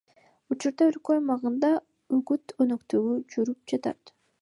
Учурда өлкө аймагында үгүт өнөктүгү жүрүп жатат.